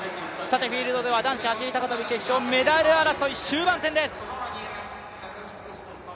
フィールドでは男子走高跳決勝、メダル争い終盤戦です。